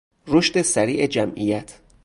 رشد سریع جمعیت